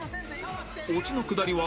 オチのくだりは